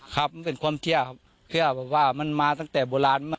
ครับมันเป็นความเชื่อครับเชื่อแบบว่ามันมาตั้งแต่โบราณ